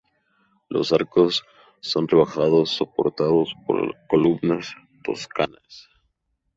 Los arcos son rebajados soportados por columnas toscanas.